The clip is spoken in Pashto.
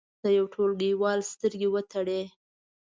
د یو ټولګیوال سترګې وتړئ.